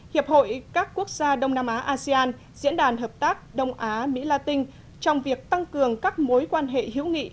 hiệp hội các quốc gia đông nam á asean diễn đàn hợp tác đông á mỹ la tinh trong việc tăng cường các mối quan hệ hữu nghị